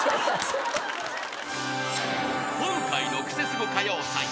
［今回のクセスゴ歌謡祭］